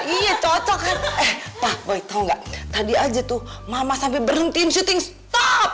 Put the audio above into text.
iya cocok kan eh pak boy tau gak tadi aja tuh mama sampai berhentiin syuting stop